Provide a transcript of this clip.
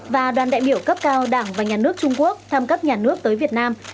và đoàn đại biểu cấp cao đảng và nhà nước trung quốc tham cấp nhà nước tới việt nam